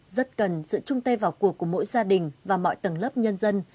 rất cần sự chung tay vào cuộc của mỗi gia đình và mọi tầng lớp nhân dân